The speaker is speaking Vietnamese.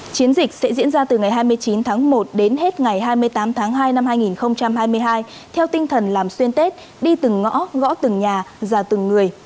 chiến dịch sẽ diễn ra từ ngày hai mươi chín tháng một đến hết ngày hai mươi tám tháng hai năm hai nghìn hai mươi hai theo tinh thần làm xuyên tết đi từng ngõ gõ từng nhà ra từng người